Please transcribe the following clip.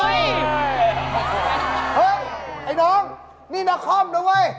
เฮ้ยไอ้น้องนี่นาคอมนะเว้ย